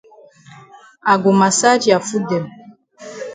I go massage ya foot dem.